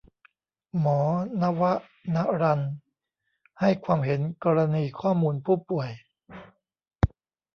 หมอนวนรรณให้ความเห็นกรณีข้อมูลผู้ป่วย